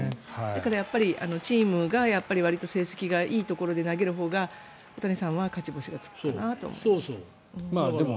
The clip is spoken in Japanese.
だから、チームがわりと成績がいいところで投げるほうが大谷さんは勝ち星がつくかなと思います。